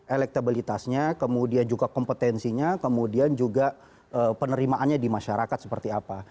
elektabilitasnya kemudian juga kompetensinya kemudian juga penerimaannya di masyarakat seperti apa